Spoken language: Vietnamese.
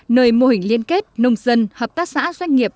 nơi mô hình liên kết nông dân hợp tác xã doanh nghiệp